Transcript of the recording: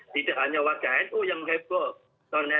tidak hanya warga nu yang heboh